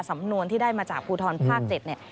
สำนวนที่ได้มาจากภูทรภาค๗เนี่ย